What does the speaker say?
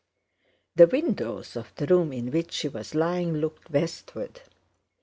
The windows of the room in which she was lying looked westward.